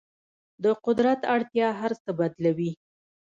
د قدرت اړتیا هر څه بدلوي.